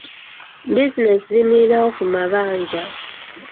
Bizinensi ziyimirirawo ku mabanja.